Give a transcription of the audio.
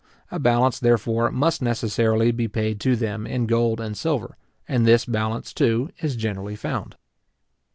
A balance, therefore, must necessarily be paid to them in gold and silver, and this balance, too, is generally found.